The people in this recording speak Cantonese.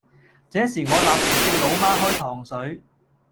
這時我立時叫老媽開糖水